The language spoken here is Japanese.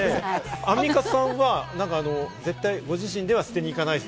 アンミカさんはご自身では捨てに行かないと。